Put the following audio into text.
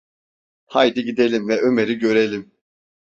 Haydi gidelim ve Ömer’i görelim!